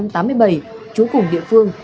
trú cùng địa phương